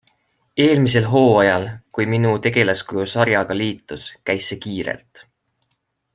Eelmisel hooajal, kui minu tegelaskuju sarjaga liitus, käis see kiirelt.